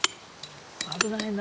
危ないな。